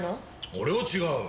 俺は違う。